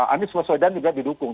anies baswedan juga didukung